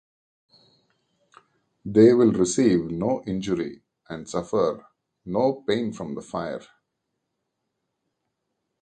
They will receive no injury and suffer no pain from the fire.